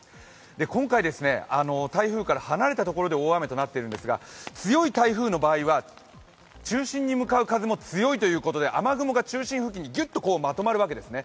今回、台風から離れたところで大雨となっているんですが、強い台風の場合は中心に向かう風も強いということで雨雲が中心付近にギュッとまとまるわけですね。